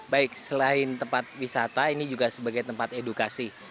baik selain tempat wisata ini juga sebagai tempat edukasi